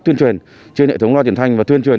tuyên truyền trên hệ thống loa truyền thanh và tuyên truyền